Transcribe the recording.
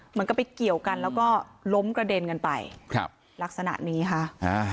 เหมือนกับไปเกี่ยวกันแล้วก็ล้มกระเด็นกันไปครับลักษณะนี้ค่ะอ่า